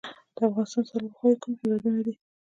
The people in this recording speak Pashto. د افغانستان څلور خواوې کوم هیوادونه دي؟